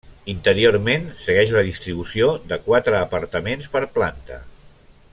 Interiorment, segueix la distribució de quatre apartaments per planta.